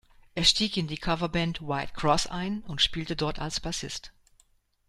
Er stieg in die Cover-Band "White Cross" ein und spielte dort als Bassist.